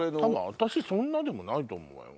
私そんなでもないと思うわよ。